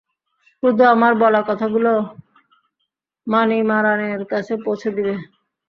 শুধু আমার বলা কথাগুলো মানিমারানের কাছে পৌঁছে দিবে।